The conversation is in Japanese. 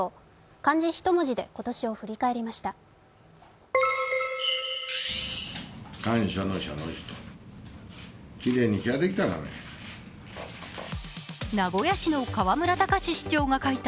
漢字ひと文字で今年を振り返りました。